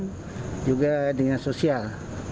dan juga dengan sosial